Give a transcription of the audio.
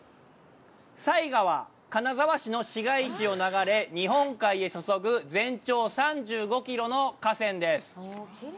犀川、金沢市の市街地を流れ、日本海へ注ぐ全長３５キロの河川です。